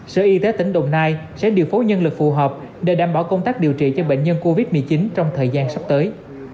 sở y tế tỉnh đồng nai sẽ điều phối nhân lực phù hợp để đảm bảo công tác điều trị cho bệnh nhân covid một mươi chín trong thời gian sắp tới